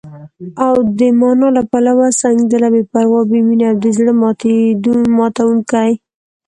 او د مانا له پلوه، سنګدله، بې پروا، بې مينې او د زړه ماتوونکې